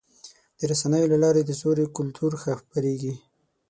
د رسنیو له لارې د سولې کلتور خپرېږي.